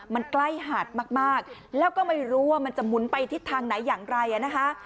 มันใกล้หาดมากแล้วก็ไม่รู้ว่ามันจะหมุนไปทิศทางไหนอย่างไรนะคะ